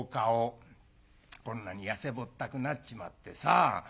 こんなに痩せぼったくなっちまってさ。